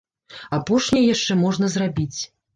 Апошняе яшчэ можна зрабіць.